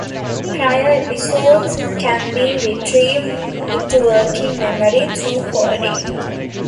Prior episodes can be retrieved into working memory through query.